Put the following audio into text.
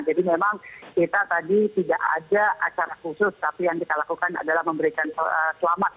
jadi memang kita tadi tidak ada acara khusus tapi yang kita lakukan adalah memberikan selamat